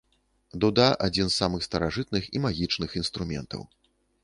Дуда адзін з самых старажытных і магічных інструментаў.